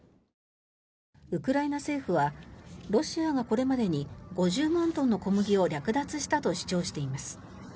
ウクライナ政府はロシアがこれまでに５０万トンの小麦を略奪したと主張しています。